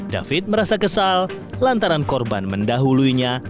david merasa kesal lantaran korban mendahuluinya